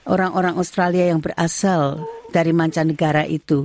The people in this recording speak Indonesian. orang orang australia yang berasal dari mancanegara itu